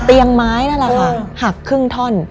ไม้นั่นแหละค่ะหักครึ่งท่อน